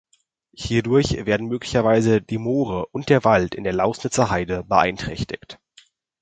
Hierdurch werden möglicherweise die Moore und der Wald in der Laußnitzer Heide beeinträchtigt.